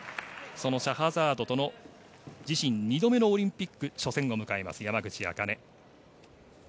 そのシャハザードとの自身２度目のオリンピック初戦を迎えます、山口茜。